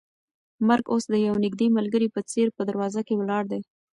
مرګ اوس د یو نږدې ملګري په څېر په دروازه کې ولاړ دی.